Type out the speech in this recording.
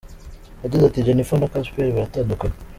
Yagize ati “Jennifer na Casper baratandukanye.